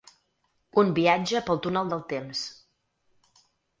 Un viatge pel túnel del temps